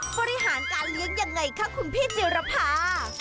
บริหารการเลี้ยงยังไงคะคุณพี่จิรภา